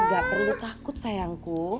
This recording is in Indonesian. gak perlu takut sayangku